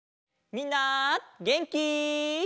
みんなげんき？